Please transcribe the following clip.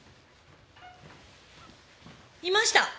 いました！